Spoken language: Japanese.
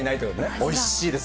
おいしいです。